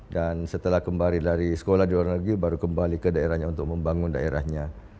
dan setelah kembali dari sekolah di luar negeri baru kembali ke daerahnya untuk membangun daerahnya